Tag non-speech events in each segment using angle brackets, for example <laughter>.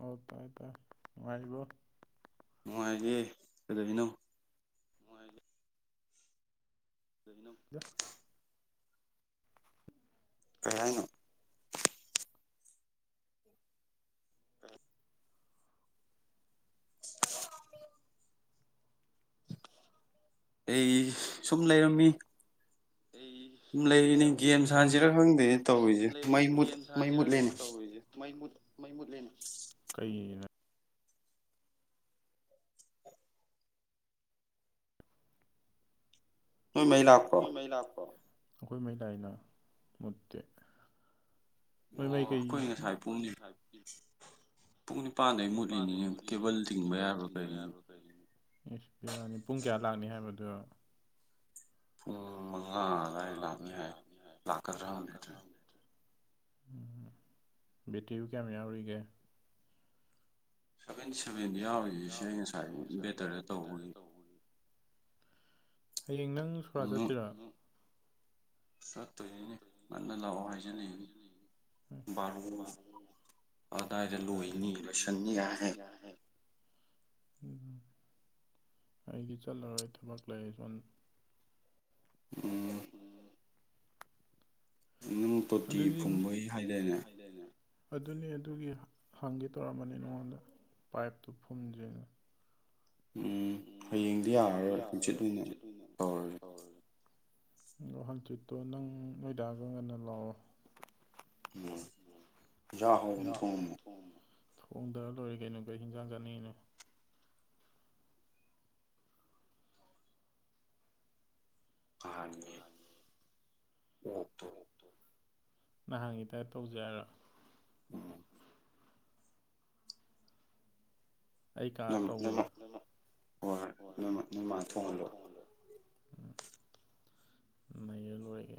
ꯑꯣ ꯇꯥꯏ ꯇ ꯋꯥꯆꯕꯣ ꯅꯨꯡꯉꯥꯏꯔꯤꯦ ꯀꯩꯗꯅꯣ ꯃꯥꯏ ꯅ ꯀ ꯀꯅꯣ ꯑꯩ ꯁꯨꯝ ꯂꯩꯔꯝꯃꯤ ꯂꯩꯔꯤꯅꯦ ꯒꯦꯝ ꯁꯟꯁꯤꯔꯥ ꯈꯪꯗꯦ ꯇꯧꯔꯤꯁꯦ ꯃꯩ ꯃꯨꯠ ꯃꯩ ꯃꯨꯠꯂꯦꯅꯦ ꯃ ꯂꯩꯅ ꯀꯩ ꯑꯩꯈ ꯂꯥꯛꯄꯣ ꯑꯩꯈꯣꯏ ꯃꯩ ꯂꯥꯛꯅ ꯃꯨꯠꯇꯦ ꯑꯣ ꯑꯩꯈꯣꯏ ꯉꯁꯥꯏ ꯄꯨꯡꯅꯤ ꯄꯨꯡ ꯅꯤꯄꯥꯟꯗ ꯑꯩ ꯃꯨꯠꯂꯤꯅꯤꯉꯦ ꯀꯦꯕꯜ ꯇꯤꯡꯕ ꯌꯥꯕ꯭ꯔꯥ ꯀꯔꯤꯅꯤ ꯑꯦ ꯕꯤꯔꯌꯥꯅꯤ ꯄꯨꯡ ꯀꯌꯥ ꯂꯥꯛꯅꯤ ꯍꯥꯏꯕꯗꯣ ꯎꯝ ꯃ ꯑꯗꯂꯥꯃꯤ ꯍꯥꯏ ꯂꯥꯛꯀ꯭ꯔ ꯂꯩꯇꯦ ꯎꯝ ꯇꯤꯚꯤ ꯀꯦꯃꯦꯔꯥ ꯑꯣꯏꯔꯤꯒꯦ ꯁꯚꯦꯟꯇꯤ ꯁꯚꯦꯟꯗ ꯌꯥꯎꯔꯤꯁꯤꯁ ꯑꯩ ꯉꯁꯥꯏ ꯕꯦꯇꯔꯗ ꯇꯧꯕꯒꯤ ꯍꯌꯦꯡ ꯅꯪ ꯁꯣꯔꯥ ꯆꯠꯇ꯭ꯔꯥ ꯆꯠꯇꯣꯏꯅꯦ ꯉꯟꯅ ꯂꯥꯛꯑꯣ ꯍꯥꯏꯖꯜꯂꯤꯏꯅꯦ ꯕꯥꯔꯣ ꯑꯗꯥꯏꯗ ꯂꯣꯏꯅꯤ ꯂꯣꯏꯁꯟꯅꯤ ꯌꯥꯍꯦ ꯎꯝ ꯑꯩꯗꯤ ꯆꯠꯂꯔꯣꯏ ꯊꯕꯛ ꯂꯩꯔ ꯁꯣꯟ ꯎꯝ ꯑꯗꯨꯗꯤ ꯐꯨꯝꯕꯩ ꯍꯥꯏꯗꯥꯅꯦ ꯑꯗꯨꯅꯤ ꯑꯗꯨꯒꯤ ꯍꯪꯒꯦ ꯇꯧꯔꯝꯕꯅꯤ ꯅꯉꯣꯟꯗ ꯄꯥꯏꯞꯇꯨ ꯐꯨꯝꯖꯦꯅ ꯎꯝ ꯍꯌꯦꯡꯗꯤ ꯌꯥꯔꯔꯣꯏ ꯍꯪꯆꯤꯠ ꯑꯣꯏꯅ ꯇꯧꯔꯒꯦ ꯑꯣ ꯍꯪꯆꯤꯠꯇꯣ ꯅꯪ ꯅꯣꯏꯗꯥꯒ ꯉꯟꯅ ꯂꯥꯛꯑꯣ ꯎꯝ ꯏꯟꯖꯥꯡ ꯑꯍꯥꯎꯕ ꯃ ꯊꯣꯡꯉꯝꯃꯣ ꯊꯣꯡꯗ ꯂꯣꯏꯔꯦ ꯀꯩꯅꯣ ꯀꯩ ꯍꯤꯟꯖꯥꯡ ꯆꯥꯅꯤꯡꯏꯅꯣ ꯉꯥꯍꯟꯒꯤ ꯅꯍꯥꯟꯒꯤꯇꯥꯏꯞ ꯇꯧꯖ ꯍꯥꯏꯔꯣ ꯑꯩ ꯀꯥ ꯇꯧꯕꯗ ꯎꯝ ꯂꯣꯏꯦ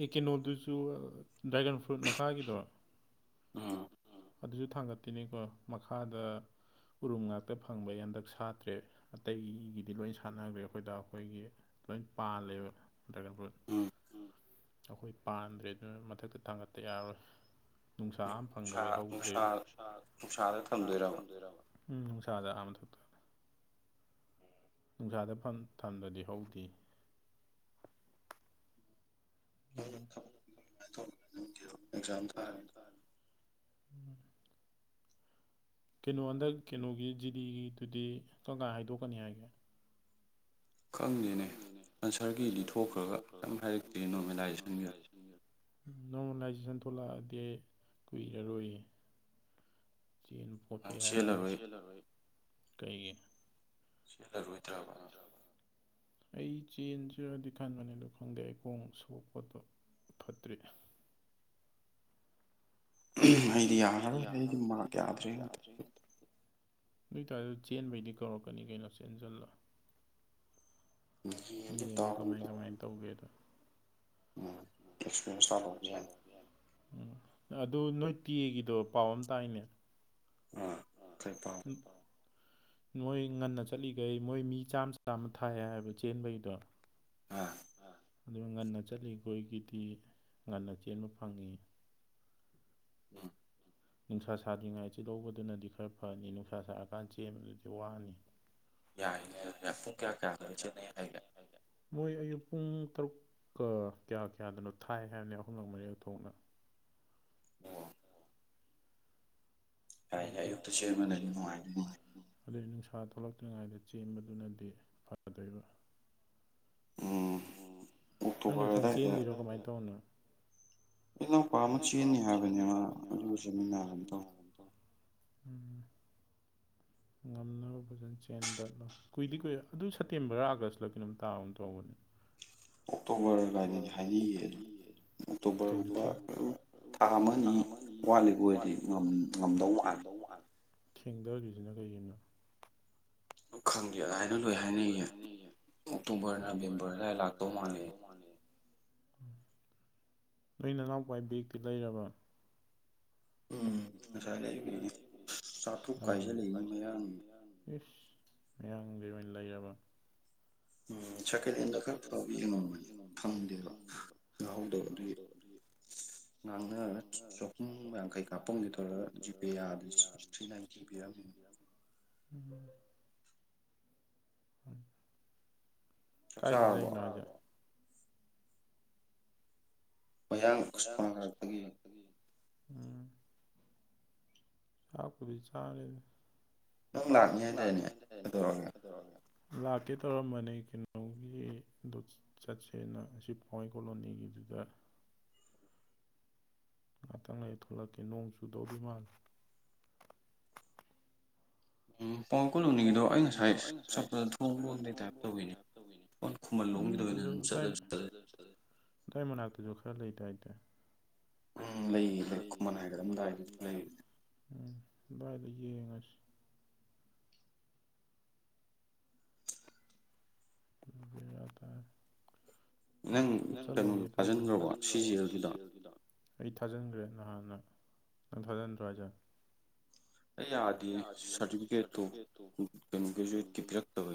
ꯑꯦ ꯀꯩꯅꯣꯗꯨꯁꯨ ꯗ꯭ꯔꯥꯒꯟ ꯐ꯭ꯔꯨꯠ ꯃꯈꯥꯒꯤꯗꯔ ꯎꯝ ꯑꯗꯨꯁꯨ ꯊꯥꯡꯒꯠꯇꯤꯅꯦꯀꯣ ꯃꯈꯥꯗ ꯎꯔꯨꯝ ꯉꯥꯛꯇ ꯐꯪꯕ ꯍꯟꯗꯛ ꯁꯥꯠꯇ꯭ꯔꯦ ꯑꯇꯩꯒꯤꯗꯤ ꯂꯣꯏ ꯁꯥꯟꯅꯈ꯭ꯔꯦ ꯑꯩꯈꯣꯏꯗ ꯑꯩꯈꯣꯏꯒꯤ ꯂꯣꯏ ꯄꯥꯜꯂꯦꯕ ꯗꯔꯒꯟꯐꯨꯠ ꯑꯩꯈꯣꯏ ꯄꯥꯟꯗ꯭ꯔꯦ ꯑꯗꯨꯅ ꯃꯊꯛꯇ ꯊꯥꯡꯒꯄ ꯌꯥꯔꯔꯣꯏ ꯅꯨꯡꯁꯥ ꯑꯃ ꯐꯪꯗꯕꯩ ꯍꯧꯗ꯭ꯔꯦ ꯅꯨꯡꯁꯥ ꯅꯨꯡꯁꯥꯗ ꯊꯝꯗꯣꯏꯔꯕ ꯎꯝ ꯅꯨꯡꯁꯥꯗ ꯑꯥ ꯃꯊꯛꯇ ꯅꯨꯡꯁꯥꯗ ꯐꯟ ꯊꯝꯗꯔꯗꯤ ꯍꯧꯗꯦꯅꯦ ꯎꯝ ꯎꯝ ꯀꯩꯅꯣ ꯍꯟꯗꯛ ꯀꯩꯅꯣꯒꯤ ꯖꯤꯗꯤꯒꯤꯗꯨꯗꯤ ꯀꯪꯀꯥꯟꯗ ꯍꯥꯏꯗꯣꯛꯀꯅꯤ ꯍꯥꯏꯒꯦ ꯈꯪꯗꯦꯅꯦ ꯑꯟꯁꯔꯒꯤꯗꯤ ꯊꯣꯛꯈ꯭ꯔꯒ ꯀꯩꯝ ꯍꯥꯏꯔꯛꯇꯦ ꯅꯣꯔꯃꯦꯂꯥꯏꯖꯦꯁꯟꯒꯤ ꯅꯣꯔꯃꯦꯂꯥꯏꯖꯦꯁꯟ ꯊꯣꯛꯂꯛꯑꯗꯤ ꯀꯨꯏꯔꯔꯣꯏ ꯆꯦꯟꯕ ꯈꯣꯠꯄꯩ ꯍꯥꯏꯔꯅ ꯆꯦꯜꯂꯔꯣꯏ ꯀꯩꯒꯤ ꯆꯦꯜꯂꯔꯣꯏꯗ꯭ꯔꯕ ꯑꯩ ꯆꯦꯟꯖꯤꯔꯗꯤ ꯈꯟꯕꯅꯦꯗ ꯈꯪꯗꯦ ꯑꯩ ꯈꯣꯡ ꯁꯣꯛ ꯈꯣꯠꯄ ꯐꯠꯇ꯭ꯔꯤ ꯑꯩꯗꯤ ꯌꯥꯔꯔꯣꯏ ꯑꯩꯗꯤ ꯃꯔꯀ ꯌꯥꯗ꯭ꯔꯦꯉꯣ ꯅꯣꯏ ꯇꯔ ꯆꯦꯟꯕꯩꯗꯤ ꯀꯧꯔꯛꯀꯅꯤ ꯀꯩꯅꯣ ꯆꯦꯟꯁꯤꯜꯂ ꯌꯦꯡꯉꯨ ꯀꯃꯥꯏ ꯀꯃꯥꯏꯅ ꯇꯧꯒꯦꯗꯣ ꯎꯝ ꯑꯦꯁꯄꯤꯔꯤꯟꯁ ꯇꯥꯜꯍꯧꯒꯦ ꯍꯥꯏ ꯎꯝ ꯑꯗꯨ ꯅꯣꯏꯇꯦꯒꯤꯗꯣ ꯄꯥꯎ ꯑꯃ ꯇꯥꯏꯅꯦ ꯑꯥ ꯀꯩ ꯄꯥꯎ ꯅꯣꯏ ꯉꯟꯅ ꯆꯠꯂꯤꯈꯩ ꯃꯣꯏ ꯃꯤ ꯆꯥꯝꯃ ꯆꯥꯝꯃ ꯊꯥꯏ ꯍꯥꯏꯕ ꯆꯦꯟꯕꯩꯗꯣ ꯍꯥ ꯑꯗꯨ ꯉꯟꯅ ꯆꯠꯂꯤꯈꯣꯏꯒꯤꯗꯤ ꯉꯟꯅ ꯆꯦꯟꯕ ꯐꯪꯏ ꯎꯝ ꯅꯨꯡꯁꯥ ꯁꯥꯗ꯭ꯔꯤꯉꯩꯁꯤ ꯆꯦꯜꯍꯧꯕꯗꯨꯅꯗꯤ ꯈꯔ ꯐꯅꯤ ꯅꯨꯡꯁꯥ ꯁꯥꯔꯀꯥꯟꯗ ꯆꯦꯟꯕꯗꯨꯗꯤ ꯋꯥꯅꯤ ꯌꯥꯏꯅꯦ ꯑꯗꯨꯗꯤ ꯄꯨꯡ ꯀꯌꯥ ꯀꯌꯥꯗ ꯆꯦꯟꯅꯩ ꯍꯥꯏꯒꯦ ꯃꯣꯏ ꯑꯌꯨꯛ ꯄꯨꯡ ꯇꯔꯨꯛꯀ ꯀꯌꯥ ꯀꯌꯥꯗꯅꯣ ꯊꯥꯏ ꯍꯥꯏꯕꯅꯤ ꯑꯍꯨꯝꯂꯛ ꯃꯔꯤꯔꯛ ꯊꯣꯛꯅ ꯌꯥꯅꯦ ꯑꯌꯨꯛꯇ ꯆꯦꯟꯕꯅꯗꯤ ꯅꯨꯡꯉꯥꯏꯅꯤ ꯑꯗꯨꯏ ꯅꯨꯡꯁꯥ ꯊꯣꯛꯂꯛꯇ꯭ꯔꯤꯉꯥꯏꯗ ꯆꯦꯟꯕꯗꯨꯅꯗꯤ ꯐꯗꯣꯏꯕ ꯅꯪ ꯅꯊꯟ ꯆꯦꯟꯂꯤꯔꯣ ꯀꯃꯥꯏꯅ ꯇꯧꯅꯤ ꯏꯅꯥꯎꯄꯥ ꯑꯃ ꯆꯦꯟꯅꯤ ꯍꯥꯏꯕꯅꯦꯕ ꯃꯥ ꯑꯗꯨꯒ ꯆꯃꯤꯟꯅꯒꯦ ꯇꯧꯕꯅꯦ ꯎꯝ ꯉꯝꯅꯕ ꯐꯖꯅ ꯆꯦꯟꯗ ꯀꯨꯏꯗꯤ ꯀꯨꯏꯔꯦ ꯑꯗꯨ ꯁꯦꯞꯇꯦꯝꯕꯔ ꯑꯥꯒꯁꯇ ꯀꯩꯅꯣꯝ ꯇꯥ ꯑꯃꯨꯛ ꯇꯧꯕꯅꯦ <inaudible> ꯑꯣꯛꯇꯣꯕꯔ ꯑꯗꯨ ꯀꯥꯏꯅꯗꯤ ꯍꯥꯏꯅꯌꯦ ꯑꯗꯨ ꯒ ꯑꯗꯨꯝ ꯊꯥ ꯑꯃꯅꯤ ꯋꯥꯠꯂꯤꯕꯨ ꯑꯣꯏꯔꯗꯤ ꯉꯝꯗꯧ ꯋꯥꯠꯂꯤ ꯊꯦꯡꯗꯔꯤꯁꯤꯅ ꯀꯩꯒꯤꯅꯣ ꯈꯪꯗꯦ ꯑꯗꯨꯃꯥꯏꯅ ꯂꯣꯏ ꯍꯥꯏꯅꯩꯌꯦꯦ ꯑꯣꯛꯇꯣꯕꯔ ꯅꯕꯦꯝꯕꯔꯗꯥꯏ ꯂꯥꯛꯇꯧ ꯃꯥꯜꯂꯦ ꯅꯣꯏ ꯅꯅꯥꯎꯄꯏ ꯕꯦꯛꯇꯤ ꯂꯩꯔꯕ <inaudible> ꯃꯤꯌꯥꯝꯒꯤ ꯑꯣꯏꯅ ꯂꯩꯔꯕ ꯎꯝ ꯁꯦꯀꯦꯟ ꯍꯦꯟꯗꯣ ꯈꯔ ꯐꯥꯎꯕ ꯌꯦꯡꯉꯣꯟꯝꯕꯅꯤ ꯐꯪꯗꯦꯕ ꯉꯍꯧꯗꯕ ꯑꯗꯨꯒꯤ ꯉꯍꯥꯡꯅ ꯆꯍꯨꯝ ꯌꯥꯡꯈꯩ ꯀꯥꯞꯄꯝꯗꯤ ꯇꯧꯔꯒ ꯖꯤꯄꯦ ꯌꯥꯗ ꯊ꯭ꯔꯤ ꯅꯥꯏꯟ ꯤ ꯄꯤꯔꯝꯃꯤ ꯎꯝ ꯍꯣꯏ ꯀꯥꯏꯗꯤ ꯂꯩꯅꯣ ꯍꯥꯏꯒꯦ ꯍꯌꯥꯡ ꯀꯁꯄ ꯀꯔꯛꯇꯒꯤ ꯎꯝ ꯆ ꯀꯔꯤ ꯆꯥꯔꯦꯅꯦ ꯅꯪ ꯂꯥꯛꯅꯤ ꯍꯥꯏꯇꯥꯅꯦ ꯍꯥꯏꯣꯏꯗꯣꯔꯛꯑꯒ ꯂꯥꯛꯀꯦ ꯇꯧꯔꯝꯕꯅꯦ ꯀꯩꯅꯣꯒꯤ ꯑꯦ ꯑꯗꯨꯣ ꯆꯠꯁꯦꯅ ꯑꯁꯤ ꯄꯥꯋꯥꯏ ꯀꯣꯂꯣꯅꯤꯒꯤꯗꯨꯗ ꯉꯍꯥꯛꯇꯪ ꯉ ꯊꯣꯛꯂꯛꯀꯦ ꯅꯣꯡ ꯆꯨꯗꯧꯔꯤ ꯃꯥꯜꯂꯦ ꯎꯝ ꯄꯋꯥ ꯀꯣꯂꯣꯅꯤꯡꯒꯤꯗꯣ ꯑꯩ ꯉꯁꯥꯏ ꯆꯠꯄꯗ ꯊꯣꯡꯕ ꯂꯣꯟꯕ ꯂꯩꯇꯕ ꯇꯧꯋꯤꯅꯦ ꯏ ꯃꯅꯥꯛꯇꯁꯨ ꯈꯔ ꯂꯩꯇ ꯍꯥꯏꯇꯥꯦ ꯑ ꯂꯩꯌꯦ ꯂꯩ ꯈꯨꯃꯟ ꯍꯥꯏꯒ꯭ꯔꯝꯗꯥꯏꯗꯁꯨ ꯂꯩ ꯌꯥ ꯇ ꯑꯇ ꯐꯨꯠꯆꯜꯍꯧꯒꯦ ꯇꯧꯕꯅꯦꯟꯈ꯭ꯔꯕ ꯁꯤꯖꯦꯜꯒꯤꯗ ꯑꯩ ꯊꯥꯖꯤꯟꯈ꯭ꯔꯦ ꯅꯍꯥꯟꯅ ꯅꯪ ꯊꯥꯖꯟꯗ꯭ꯔꯣ ꯍꯥꯏꯁꯔ ꯑꯩ ꯌꯥꯗꯤꯦ ꯁꯥꯔꯇꯤꯐꯤꯀꯦꯠꯇꯣ ꯀꯩꯅꯣ ꯒ꯭ꯔꯦꯖꯨꯋꯦꯠꯀꯤ ꯄꯤꯔꯛꯇꯕꯦ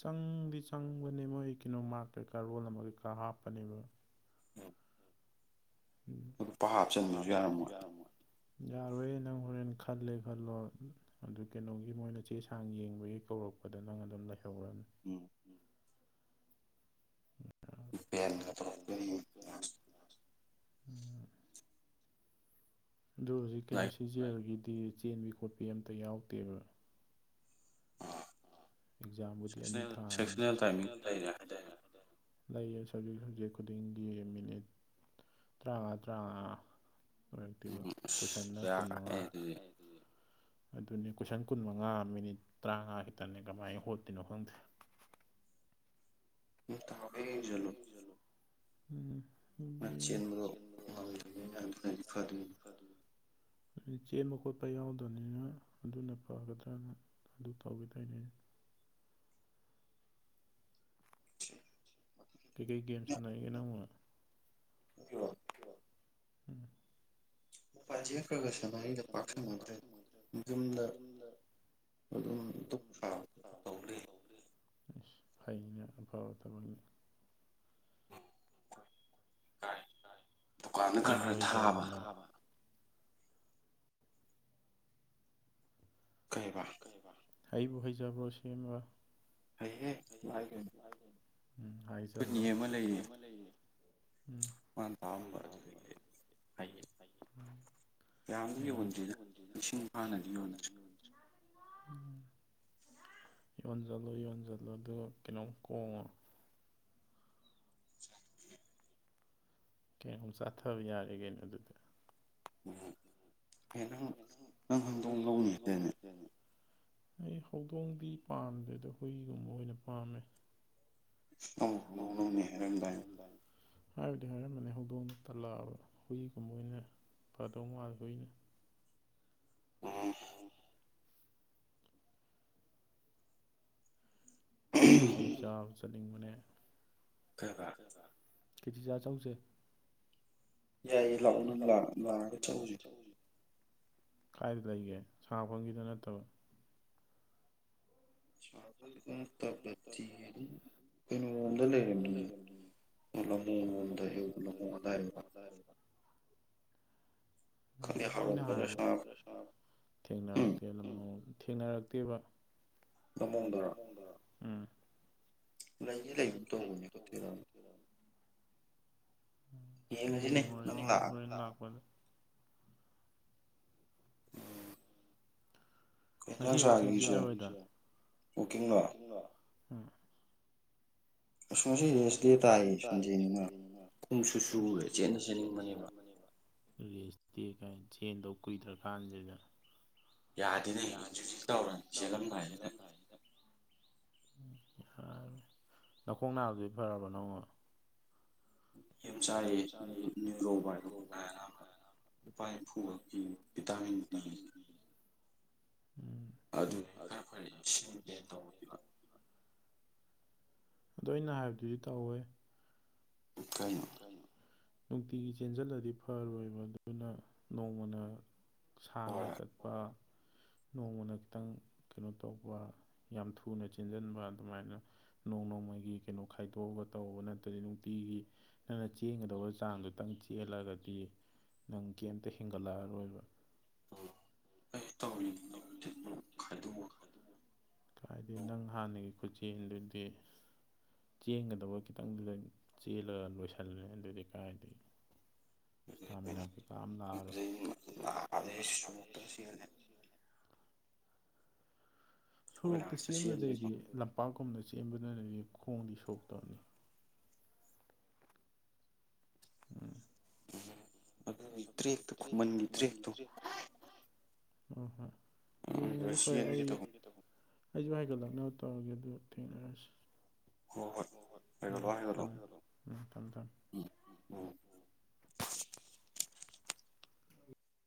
ꯆꯪꯗꯤ ꯆꯪꯕꯅꯤ ꯃꯣꯏ ꯀꯅꯣ ꯃꯥꯔ ꯀꯩꯀꯥ ꯔꯣꯜ ꯑꯃ ꯀꯩꯀꯥ ꯍꯥꯞꯄꯅꯦꯕ ꯑꯗꯨ ꯄ ꯍꯥꯞꯆꯤꯟꯗꯨꯁꯨ ꯌꯥꯔꯝꯃꯣꯏ ꯌꯥꯔꯋꯣꯏꯦ ꯅꯪ ꯍ ꯅꯣꯏꯅ ꯈꯜꯂꯦ ꯈꯜꯂꯣ ꯑꯗꯨ ꯀꯩꯅꯣꯒꯤ ꯃꯣꯏꯅ ꯆꯦ ꯆꯥꯡ ꯌꯦꯡꯕꯒꯤ ꯀꯧꯔꯛꯄꯗ ꯅꯪ ꯑꯗꯨꯝ ꯂꯩꯍꯧꯔꯅꯤ ꯎꯝ ꯏꯕꯦꯄꯅꯤ ꯑꯗ ꯍꯧꯖꯤꯛ ꯀꯩꯅꯣ ꯁꯤꯖꯦꯜꯒꯤꯗꯤ ꯆꯦꯟꯕꯤ ꯈꯣꯠꯄꯤ ꯑꯝꯇ ꯌꯥꯎꯗꯦꯕ ꯑꯦꯛꯖꯥꯝꯕꯨꯗꯤ ꯑꯅꯤ ꯊꯥꯅꯦ ꯂꯩꯌꯦ ꯁꯕꯖꯦꯛ ꯁꯕꯖꯦꯛ ꯈꯨꯗꯤꯡꯒꯤ ꯃꯤꯅꯤꯠ ꯇꯔꯥꯃꯉꯥ ꯇꯔꯥꯃꯉꯥ ꯑꯣꯏꯔꯛꯇꯤꯕ ꯀꯨꯏꯁꯟꯅ ꯀꯨꯟ ꯃꯉꯥ ꯑꯗꯨꯅꯦ ꯀꯣꯏꯁꯟ ꯀꯨꯟ ꯃꯉꯥ ꯃꯤꯅꯤꯠ ꯇꯔꯥꯃꯉꯥ ꯈꯤꯇꯅꯦ ꯀꯃꯥꯏꯅ ꯍꯣꯠꯇꯤꯅꯣ ꯈꯪꯗꯦ ꯎꯝ ꯇ ꯆꯂꯣ ꯎꯝ ꯑꯗꯨꯗꯤ ꯑꯗꯨ ꯆꯦꯟꯕ ꯈꯣꯠꯄ ꯌꯥꯎꯗꯕꯅꯤꯅ ꯑꯗꯨꯅ ꯐꯒꯗ꯭ꯔꯅ ꯑꯗꯨ ꯇꯥꯎꯒꯗꯅꯦ <inaudible> ꯀꯈꯩ ꯒꯦꯝ ꯁꯥꯟꯅꯒꯅ ꯃꯨꯅ ꯎ ꯎꯝ ꯎꯄꯥꯖꯦꯛꯈ꯭ꯔꯒ ꯁꯅꯥꯔꯤꯒ ꯄꯥꯛ ꯁꯟꯅꯗ꯭ꯔꯦ ꯌꯨꯝꯗ ꯑꯗꯨꯝ ꯗꯨ ꯇꯧꯔꯤ ꯐꯩꯩꯅ ꯑꯐꯕ ꯇꯕ ꯗꯨꯀꯥꯟꯗ ꯈꯔ ꯈꯔ ꯊꯥꯕ ꯀꯩꯕ ꯑꯩꯕꯨ ꯍꯩꯖꯕ꯭ꯔꯣ ꯁꯦꯝꯕ ꯍꯩꯌꯦꯦ ꯂꯥꯏ ꯀꯅꯦ ꯎꯝ ꯍꯥꯏ ꯆꯜꯂꯣ ꯑꯃ ꯂꯩ ꯃꯥ ꯇꯦ ꯍꯥꯏꯦ ꯃꯌꯥꯝꯗꯤ ꯌꯣꯟꯗ꯭ꯔꯤꯅ ꯏꯁꯤꯡ ꯐꯥꯅꯗꯤ ꯌꯣꯟꯗ꯭ꯔꯔꯤ ꯏꯟ ꯂꯣ ꯏꯟꯖꯂꯣ ꯑꯗꯨꯗ ꯀꯩꯅꯣꯝ ꯀꯣꯡꯉꯣ <unintelligible> ꯀꯩꯅ ꯆꯥꯊꯕ ꯌꯥꯔꯦꯒꯦꯩꯅꯣ ꯑꯗꯨꯗ ꯎ ꯑꯦ ꯅꯪ ꯅꯪ ꯍꯪꯗꯣꯡ ꯂꯧꯅꯤ ꯑꯗꯨꯅꯦ ꯑꯩ ꯍꯧꯗꯣꯡꯗꯤ ꯄꯥꯝꯗꯦ ꯑꯗꯣ ꯍꯨꯏꯒꯨꯝꯕ ꯑꯣꯏꯅ ꯄꯥꯝꯃꯦ ꯑ ꯅꯣꯡꯅꯣꯡ ꯃꯦꯍꯔꯦꯟꯗꯥ ꯍꯥꯏꯕꯗꯤ ꯍꯥꯏꯔꯝꯕꯅꯤꯅꯦ ꯍꯧꯗꯣꯡꯛꯇ ꯂꯥꯛꯑꯕ ꯍꯨꯏꯒꯨꯝꯕ ꯑꯣꯏꯅ ꯀꯗꯣ ꯃꯥꯊꯅ ꯑꯣꯝ ꯈꯦꯊꯦ ꯆꯥꯕ ꯆꯠꯅꯤꯡꯕꯅꯦ ꯀ ꯀꯦꯖꯤꯆꯥꯥꯛ ꯆꯧꯁꯦ ꯌꯥꯏꯌꯦ ꯂꯥꯛꯑꯣ ꯅꯪ ꯂꯥꯛ ꯂꯥꯛꯑꯒ ꯆꯠꯂꯨꯁꯦ ꯀꯥꯏꯗꯤ ꯂꯩꯒꯦ ꯁꯥꯐꯝꯒꯤꯗ ꯅꯠꯇꯕ ꯑ ꯏꯗ ꯂꯩꯔ ꯏ ꯃꯗꯅ ꯃꯗꯔꯕ ꯎꯝ ꯑꯩꯅ ꯍꯥꯟ ꯊꯦꯡꯅꯔꯛꯇꯦ ꯑꯗꯨ ꯊꯦꯡꯅꯔꯛꯇꯦꯕ ꯎꯝ ꯂꯩꯅꯦ ꯂꯩ ꯇꯣꯉꯅꯤ ꯀꯠꯇꯅꯤ ꯌꯦ ꯑꯣꯏꯣꯏ ꯍꯣꯏꯄꯅꯦ ꯎꯝ ꯉꯁꯤꯀꯤꯡꯗ ꯎ ꯑꯁꯣꯁꯤ ꯑꯦꯁ ꯗꯦ ꯇꯥꯏ ꯁꯟꯗꯦꯅꯤꯅ ꯄꯨꯝꯁꯨ ꯁꯨꯔꯦ ꯆꯦꯠꯟꯅ ꯆꯦꯅꯤꯡꯕꯅꯦꯕ ꯔꯦꯁꯇꯤ ꯀꯥꯏ ꯆꯦꯟꯗꯧ ꯀꯨꯏꯗ꯭ꯔꯀꯥꯟꯁꯤꯗ ꯌꯥꯗꯦꯅꯦ ꯆꯨꯖꯤꯛ ꯇꯧꯔꯅꯤ ꯆꯦꯜꯂꯝꯗꯥꯏꯅ ꯌꯥꯔꯦ ꯂꯧꯈꯣꯡ ꯅꯥꯕꯗꯨꯗꯤ ꯐꯔꯕ ꯅꯪꯉꯣ ꯌꯥꯝ ꯆꯥꯏ ꯅꯤꯔꯧꯕ ꯍꯥꯏꯒ ꯑꯍ ꯂꯨꯄꯥ ꯐꯨꯀꯤ ꯚꯤꯇꯥꯃꯤꯟ ꯄꯤ ꯑꯗꯨꯅꯦ ꯐꯔꯦ ꯐꯔꯦ ꯏꯁꯤꯡ ꯄꯦꯟ ꯇꯧꯕ ꯑ ꯑꯩꯅ ꯍꯥꯏꯕꯗꯨꯗꯤ ꯇꯧꯋꯦ ꯎꯠ ꯀꯩꯅꯣ ꯅꯨꯡꯇꯤꯒꯤ ꯆꯦꯟꯁꯤꯜꯂꯗꯤ ꯐꯔꯣꯏꯕ ꯑꯗꯨꯅ ꯅꯣꯡꯃꯅ ꯁꯥꯡꯅ ꯆꯠꯄ ꯅꯣꯡꯃꯅ ꯈꯤꯇꯪ ꯀꯩꯅꯣ ꯇꯧꯕ ꯌꯥꯝ ꯊꯨꯅ ꯆꯤꯟꯁꯤꯟꯕ ꯑꯗꯨꯃꯥꯏꯅ ꯅꯣꯡ ꯅꯣꯡ ꯃꯣꯏꯒꯤ ꯀꯩꯅꯣ ꯈꯥꯏꯗꯣꯛꯑꯒ ꯇꯧꯕꯧꯕ ꯅꯠꯇ꯭ꯔꯗꯤ ꯅꯨꯡꯇꯤꯒꯤ ꯅꯪꯅ ꯆꯦꯟꯒꯗꯧꯕ ꯆꯥꯡꯗꯨ ꯇꯪ ꯆꯦꯜꯂꯒꯗꯤ ꯅꯪ ꯀꯩꯝꯇ ꯍꯦꯟꯒꯠꯂꯛꯑꯔꯣꯏꯕ ꯍꯥꯏꯗꯤ ꯅꯪ ꯍꯥꯟꯅꯒꯤ ꯈꯨꯆꯦꯜꯗꯨꯗꯤ ꯆꯦꯟꯒꯗꯕ ꯈꯤꯇꯪ ꯆꯦꯜꯂꯒ ꯂꯣꯏꯁꯤꯜꯂꯦ ꯑꯗꯨꯗꯤ ꯀꯥꯏꯗꯤ ꯏꯁꯇꯥꯃꯤꯅꯥꯒꯤ ꯑꯗꯨꯗꯩ ꯑꯗꯩ ꯁꯣꯛꯇꯕ ꯁꯤꯕꯅꯦ ꯁꯣꯔꯣꯛꯇ ꯆꯦꯟꯕꯗꯩꯗꯤ ꯂꯝꯄꯥꯛꯀꯨꯝꯅ ꯆꯦꯟꯕꯗꯅꯗꯤ ꯈꯣꯡꯗꯤ ꯁꯣꯛꯇꯕꯅꯤ ꯎꯝ ꯑꯗꯨ ꯇ꯭ꯔꯦꯛꯇ ꯈꯨꯃꯟꯒꯤ ꯇ꯭ꯔꯦꯛꯇꯣ ꯑꯣ ꯍꯣꯏ ꯌꯦꯡꯉꯁꯤ ꯐꯔꯦ ꯑꯩ ꯑꯩꯁꯨ ꯍꯥꯏꯒꯠꯂꯛꯅꯕꯅꯕ ꯇꯧꯔꯒꯦ ꯑꯗꯨ ꯊꯦꯡꯅꯔꯁꯤ ꯎꯝ ꯎꯝ ꯊꯝ ꯊ <inaudible>